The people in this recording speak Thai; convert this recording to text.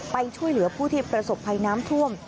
ไปช่วยเหลือผู้ที่ประสบภัยน้ำท่วม